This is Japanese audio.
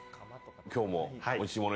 今日もおいしいもの